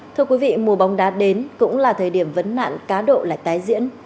thưa quý vị mùa bóng đá đến cũng là thời điểm vấn nạn cá độ lại tái diễn